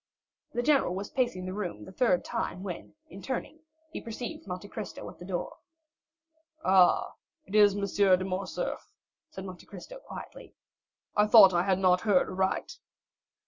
The general was pacing the room the third time when, in turning, he perceived Monte Cristo at the door. "Ah, it is M. de Morcerf," said Monte Cristo quietly; "I thought I had not heard aright."